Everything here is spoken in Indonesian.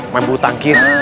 main buru tangkis